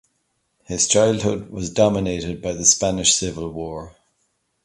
His childhood was dominated by the Spanish Civil War.